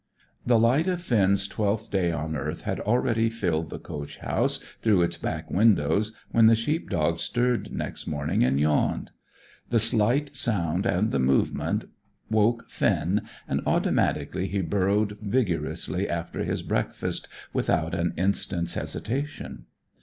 The light of Finn's twelfth day on earth had already filled the coach house through its back windows when the sheep dog stirred next morning and yawned. The slight sound and movement woke Finn, and automatically he burrowed vigorously after his breakfast without an instant's hesitation.